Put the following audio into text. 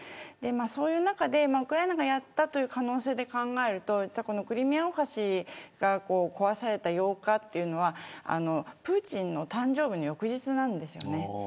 そういう中で、ウクライナがやった可能性を考えるとクリミア大橋が壊された８日というのはプーチンの誕生日の翌日です。